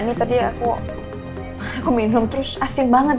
ini tadi aku minum terus asin banget